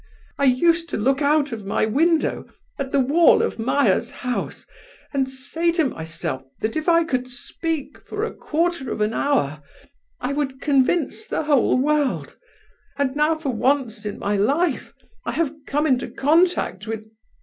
I used to look out of my window at the wall of Meyer's house, and say to myself that if I could speak for a quarter of an hour I would convince the whole world, and now for once in my life I have come into contact with...